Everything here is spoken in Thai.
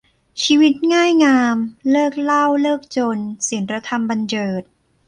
ชีวิตง่ายงาม เลิกเหล้าเลิกจน ศีลธรรมบรรเจิด